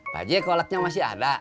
pak haji koleknya masih ada